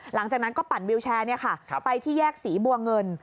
หลังจากนั้นก็ปั่นวิวแชร์ไปที่แยกศรีบัวเงิน